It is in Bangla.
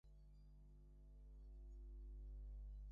দরিদ্রের খুদকুঁড়া, বিদুরের আয়োজন।